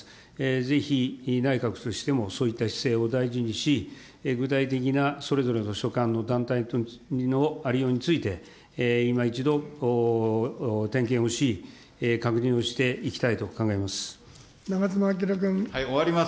ぜひ内閣としても、そういった姿勢を大事にし、具体的なそれぞれの所管の団体のありようについて、いま一度点検をし、確認をしていきたいと考えます。